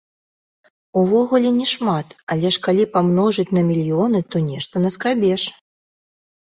Увогуле, не шмат, але ж калі памножыць на мільёны, то нешта наскрабеш.